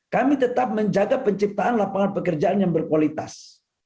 kami tetap menjaga penciptaan lapangan pekerjaan yang berkualitas